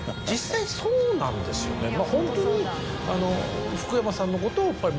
ホントに。